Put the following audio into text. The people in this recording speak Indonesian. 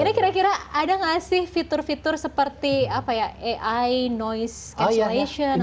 jadi kira kira ada nggak sih fitur fitur seperti apa ya ai noise cancellation atau apa